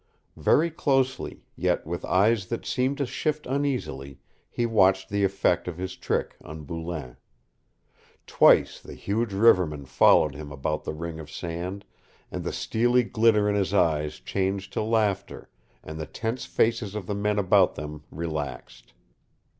Very closely, yet with eyes that seemed to shift uneasily, he watched the effect of his trick on Boulain. Twice the huge riverman followed him about the ring of sand, and the steely glitter in his eyes changed to laughter, and the tense faces of the men about them relaxed.